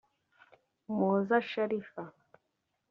Umuhoza Sharifa